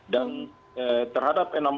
dan terhadap enam orang